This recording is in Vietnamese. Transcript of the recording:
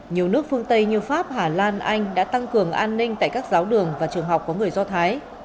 nhiều nước phương tây như pháp hà lan anh đã tăng cường an ninh tại các giáo đường và trường học có người do thái